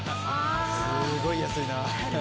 すごい安いな。